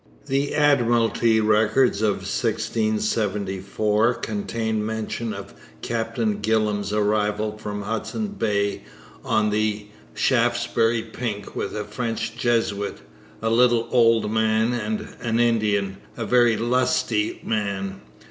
The Admiralty records for 1674 contain mention of Captain Gillam's arrival from Hudson Bay on the Shaftesbury Pink with 'a French Jesuit, a little ould man, and an Indian, a very lusty man.'